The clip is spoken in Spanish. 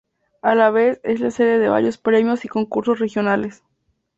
A la vez es la sede de varios premios y concursos regionales.